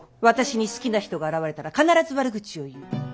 私に好きな人が現れたら必ず悪口を言う。